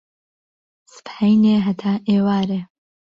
سبحەینێ هەتا ئیوارێ